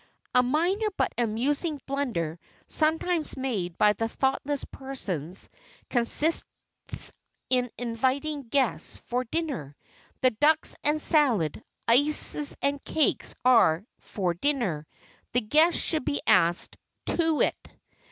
A minor but amusing blunder sometimes made by thoughtless persons consists in inviting guests "for" dinner. The ducks and salad, ices and cakes are for dinner; the guests should be asked to it.